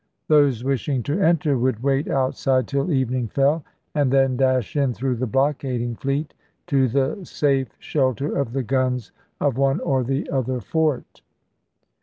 Those wishing to enter would wait outside till evening fell, and then dash in through the blockading fleet to the safe shelter of the guns of one or the other fort.